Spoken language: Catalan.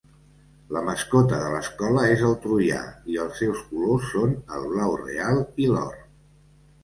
La mascota de l'escola és el troià, i els seus colors són el blau real i l'or.